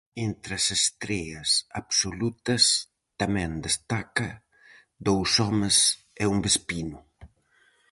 Entre as estreas absolutas tamén destaca "dous homes e un vespino".